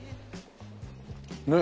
ねえ。